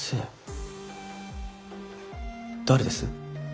誰です？